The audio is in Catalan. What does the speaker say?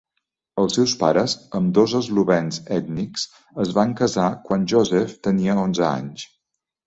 Els seus pares, ambdós eslovens ètnics, es van casar quan Josef tenia onze anys.